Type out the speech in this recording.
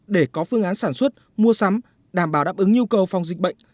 để có phương án sản xuất mua sắm đảm bảo đáp ứng nhu cầu phòng dịch bệnh